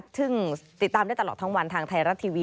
ซึ่งติดตามได้ตลอดทั้งวันทางไทยรัฐทีวี